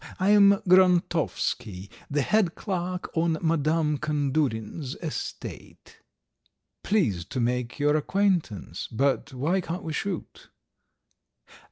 I am Grontovsky, the head clerk on Madame Kandurin's estate." "Pleased to make your acquaintance, but why can't we shoot?"